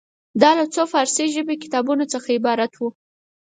دا له څو فارسي ژبې کتابونو څخه عبارت وه.